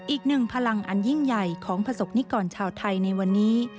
อีกหนึ่งพลังอันยิ่งใหญ่ของประสบนิกรชาวไทยในวันนี้